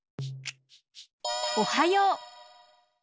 「おはよう」。